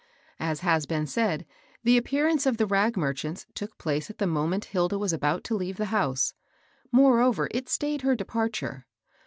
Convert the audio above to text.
As has been said, the appearance of the rag merchants took place at the moment Hilda was about to leave the house. Moreover it stayed her departure.